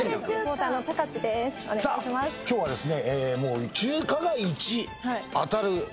さあ今日はですね。